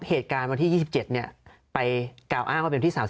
เพราะถ้าเข้าไปอ่านมันจะสนุกมาก